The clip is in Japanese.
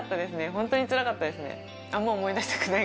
ホントにつらかったですね